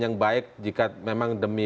yang baik jika memang demi